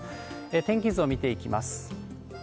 天気図を見ていきます。